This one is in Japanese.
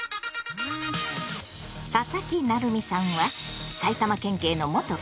佐々木成三さんは埼玉県警の元刑事。